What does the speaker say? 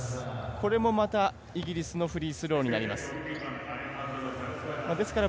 これも、またイギリスのフリースローになります。